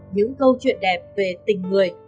những câu chuyện đẹp về tình người